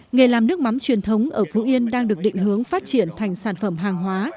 nghề làm nước mắm truyền thống ở phú yên đang được định hướng phát triển thành sản phẩm hàng hóa